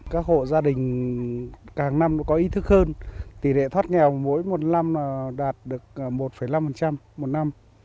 các hộ gia đình càng năm cũng có ý thức hơn tỷ lệ thoát nghèo mỗi một năm đạt được một năm một năm